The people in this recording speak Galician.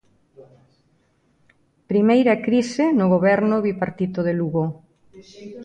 Primeira crise no goberno bipartito de Lugo.